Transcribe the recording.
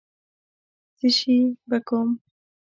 څشي به کوم.